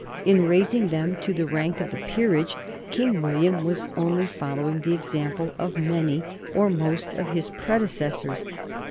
In raising them to the rank of the peerage King William was only following the example of many or most of his predecessors.